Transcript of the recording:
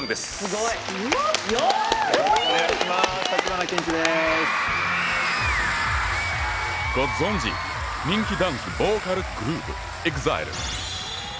ご存じ人気ダンスボーカルグループＥＸＩＬＥ